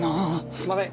・すいません